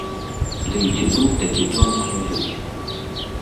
Дый ці быў такі дом у князёў?